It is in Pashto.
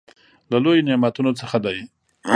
له لويو نعمتونو څخه دى.